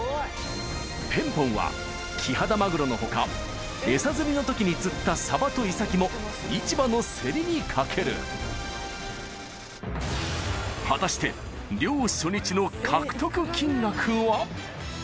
ペンポンはキハダマグロの他エサ釣りの時に釣ったサバとイサキも市場のセリにかける果たして漁おぉ！